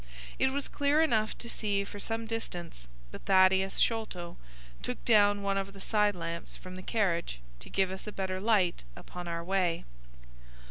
It was clear enough to see for some distance, but Thaddeus Sholto took down one of the side lamps from the carriage to give us a better light upon our way.